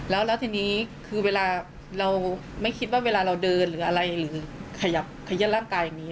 แล้วทีนี้คือเวลาเราไม่คิดว่าเวลาเราเดินหรืออะไรหรือขยับขยื่นร่างกายอย่างนี้